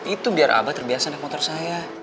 itu biar abah terbiasa naik motor saya